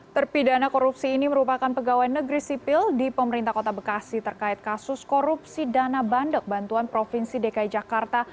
terpidana korupsi ini merupakan pegawai negeri sipil di pemerintah kota bekasi terkait kasus korupsi dana bandel bantuan provinsi dki jakarta